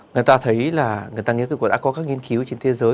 người ta thấy là người ta đã có các nghiên cứu trên thế giới